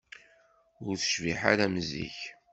Ur tecbiḥ ara am zik.